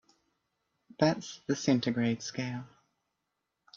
That's the centigrade scale.